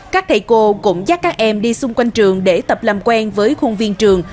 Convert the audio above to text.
các thầy cô cũng dắt các em đi xung quanh trường để tập làm quen với khuôn viên trường